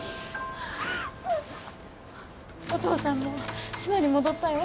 お父さんも島に戻ったよ。